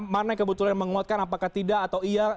mana yang kebetulan menguatkan apakah tidak atau iya